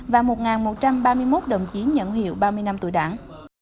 và một một trăm ba mươi một đồng chí nhận huy hiệu ba mươi năm tuổi đảng